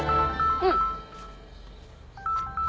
うん。